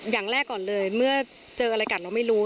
อย่างแรกก่อนเลยเมื่อเจออะไรกัดเราไม่รู้